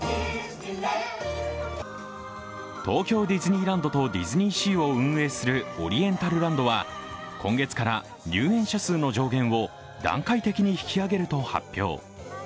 東京ディズニーランドとディズニーシーを運営するオリエンタルランドは今月から入園者数の上限を段階的に引き上げると発表。